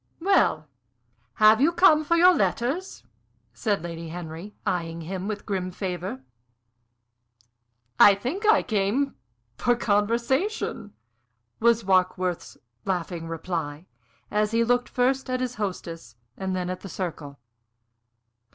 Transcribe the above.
"Well, have you come for your letters?" said Lady Henry, eying him with a grim favor. "I think I came for conversation," was Warkworth's laughing reply, as he looked first at his hostess and then at the circle.